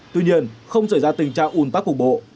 tuy nhiên không xảy ra tình trạng ủn tắc cục bộ